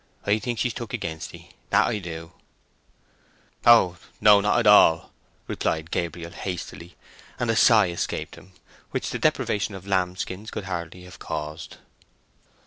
"I think she's took against ye—that I do." "Oh no—not at all," replied Gabriel, hastily, and a sigh escaped him, which the deprivation of lamb skins could hardly have caused.